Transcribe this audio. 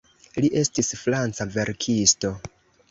Li estis franca verkisto.